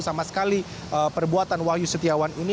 sama sekali perbuatan wahyu setiawan ini